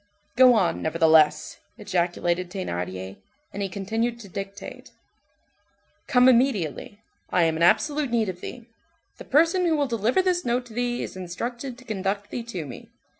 "Go on, nevertheless," ejaculated Thénardier, and he continued to dictate:— "Come immediately, I am in absolute need of thee. The person who will deliver this note to thee is instructed to conduct thee to me.